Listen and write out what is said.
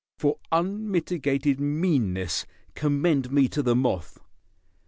For unmitigated meanness commend me to the moth!"